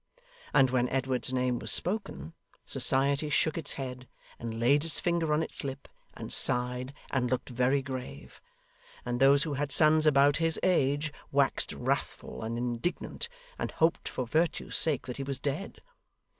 And when Edward's name was spoken, Society shook its head, and laid its finger on its lip, and sighed, and looked very grave; and those who had sons about his age, waxed wrathful and indignant, and hoped, for Virtue's sake, that he was dead.